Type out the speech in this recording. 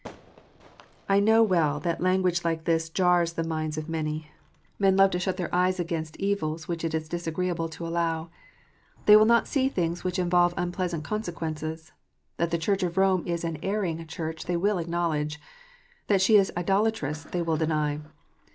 I know well that language like this jars the minds of many. Men love to shut their eyes against evils which it is disagreeable IDOLATKY. 411 to allow. They will not see things which involve unpleasant consequences. That the Church of Rome is an erring Church, they will acknowledge. That she is idolatrous, they will deny.